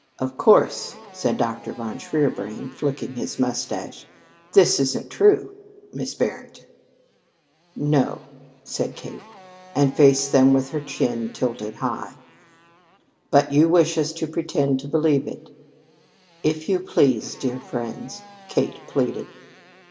"Of course," said Dr. von Shierbrand, flicking his mustache, "this isn't true, Miss Barrington." "No," said Kate, and faced them with her chin tilted high. "But you wish us to pretend to believe it?" "If you please, dear friends," Kate pleaded.